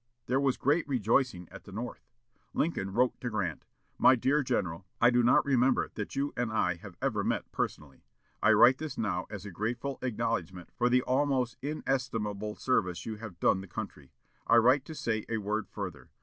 There was great rejoicing at the North. Lincoln wrote to Grant: "My dear general, I do not remember that you and I have ever met personally. I write this now as a grateful acknowledgment for the almost inestimable service you have done the country. I write to say a word further.